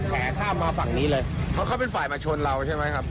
แหมข้ามมาฝั่งนี้เลยเขาเป็นฝ่ายมาชนเราใช่ไหมครับ